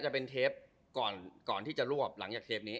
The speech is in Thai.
จะเป็นเทปก่อนก่อนที่จะรวบหลังจากเทปนี้